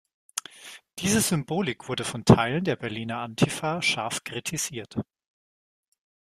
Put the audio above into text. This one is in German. Diese Symbolik wurde von Teilen der Berliner Antifa scharf kritisiert.